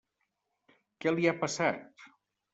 Què li ha passat?